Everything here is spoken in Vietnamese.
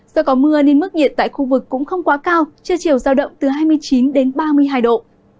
do có mưa nên mức nhiệt tại khu vực cũng không quá cao chưa chiều giao động từ hai mươi chín đến ba mươi hai độ